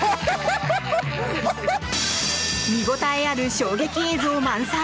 見応えある衝撃映像満載！